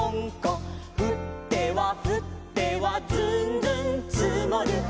「ふってはふってはずんずんつもる」